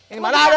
ini mana ada